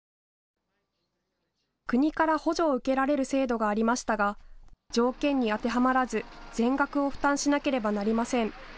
国から補助を受けられる制度がありましたが条件に当てはまらず全額を負担しなければなりません。